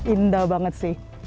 indah banget sih